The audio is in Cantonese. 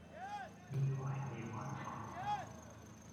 呢個係咩玩法?